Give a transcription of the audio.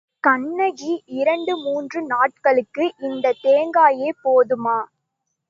கண்ணகி, இரண்டு மூன்று நாள்களுக்கு இந்தத் தேங்காயே போதுமா?